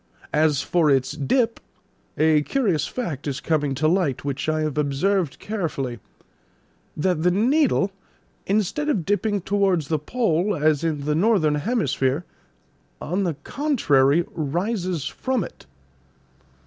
As for its dip, a curious fact is coming to light, which I have observed carefully: that the needle, instead of dipping towards the pole as in the northern hemisphere, on the contrary, rises from it."